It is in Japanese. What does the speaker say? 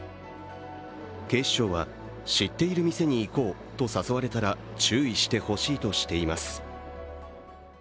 警視庁は知っている店に行こうと誘われたら注意してほしいとしています。